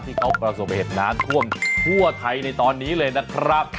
ที่เขาประสบเหตุน้ำท่วมทั่วไทยในตอนนี้เลยนะครับ